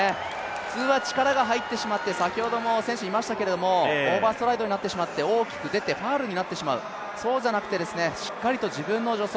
普通は力が入ってしまって、先ほども選手いましたけどオーバーストライドになってしまって、大きく出てファウルになってしまう、そうじゃなくて、しっかりと自分の助走